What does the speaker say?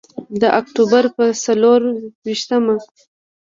د اکتوبر په څلور ویشتمه.